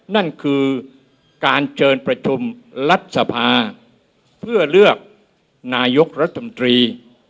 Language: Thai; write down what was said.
นั่นคือการเชิญประชุมรัฐสภาเพื่อเลือกนายกรัฐมนตรี